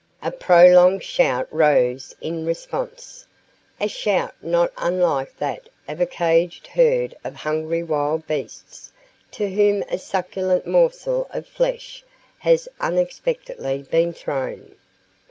A prolonged shout rose in response a shout not unlike that of a caged herd of hungry wild beasts to whom a succulent morsel of flesh has unexpectedly been thrown.